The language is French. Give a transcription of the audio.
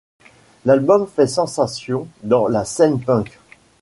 L'album fait sensation dans la scène punk.